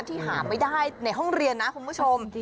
ที่หาไม่ได้ในห้องเรียนนะคุณผู้ชม